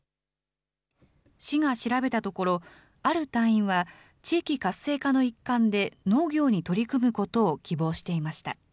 市が調べたところ、ある隊員は、地域活性化の一環で農業に取り組むことを希望していました。